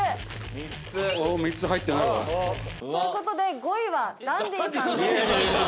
３つ入ってないわ。という事で５位はダンディさんです。